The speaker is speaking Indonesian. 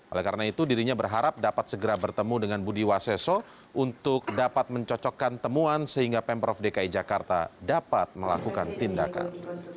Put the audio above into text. oleh karena itu dirinya berharap dapat segera bertemu dengan budi waseso untuk dapat mencocokkan temuan sehingga pemprov dki jakarta dapat melakukan tindakan